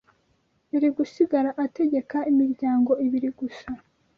yari gusigara ategeka imiryango ibiri gusa